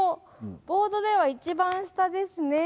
ボードでは一番下ですね。